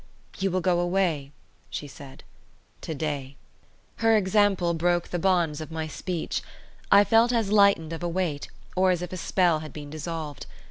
"You will go away," she said, "to day." Her example broke the bonds of my speech; I felt as lightened of a weight, or as if a spell had been dissolved.